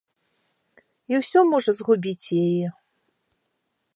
І ўсё можа згубіць яе.